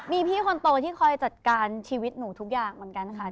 มีพี่คนโตที่คอยจัดการชีวิตหนูทุกอย่างเหมือนกันค่ะ